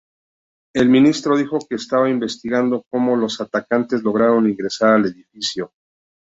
El ministerio dijo que estaba investigando cómo los atacantes lograron ingresar al edificio.